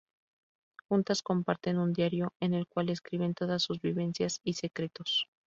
Juntas comparten un diario en el cual escriben todas sus vivencias y secretos.